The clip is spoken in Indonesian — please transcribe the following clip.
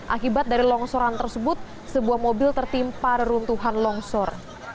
akibat dari longsoran tersebut sebuah mobil tertimpa reruntuhan longsor